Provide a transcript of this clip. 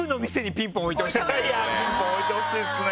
ピンポン置いてほしいっすね。